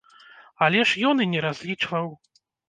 Але ж ён і не разлічваў.